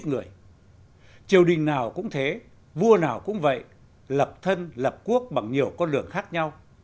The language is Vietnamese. triều đình nào cũng thế vua nào cũng vậy lập thân lập quốc bằng nhiều con đường khác nhau